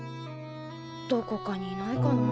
どこかにいないかなあ。